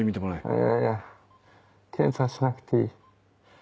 いやいや検査しなくていい。